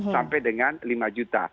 sampai dengan lima juta